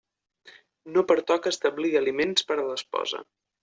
No pertoca establir aliments per a l'esposa.